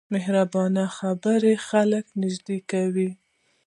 مهربانه خبرې خلک نږدې کوي.